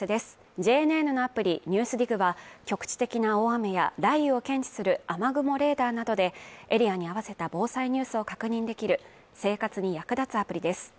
ＪＮＮのアプリ「ＮＥＷＳＤＩＧ」は局地的な大雨や雷を検知する雨雲レーダーなどでエリアに合わせた防災ニュースを確認できる生活に役立つアプリです。